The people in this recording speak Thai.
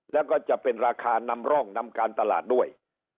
แล้วก็จะเป็นราคานำร่องนำการตลาดด้วย